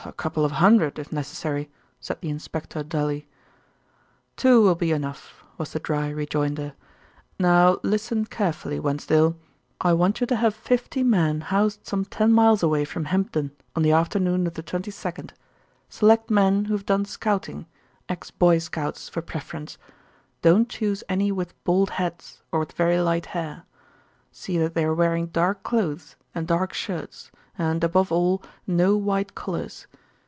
"A couple of hundred if necessary," said the inspector dully. "Two will be enough," was the dry rejoinder. "Now listen carefully, Wensdale. I want you to have fifty men housed some ten miles away from Hempdon on the afternoon of the 22nd. Select men who have done scouting, ex boy scouts, for preference. Don't choose any with bald heads or with very light hair. See that they are wearing dark clothes and dark shirts and, above all, no white collars.